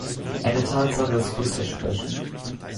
Eine Tatsache ist viel versprechend.